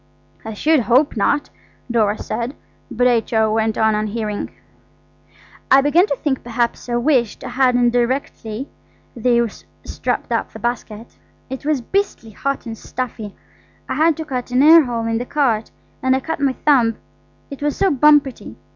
"I should hope not," Dora said, but H.O. went on unhearing. "I began to think perhaps I wished I hadn't directly they strapped up the basket. It was beastly hot and stuffy–I had to cut an air hole in the cart, and I cut my thumb; it was so bumpety.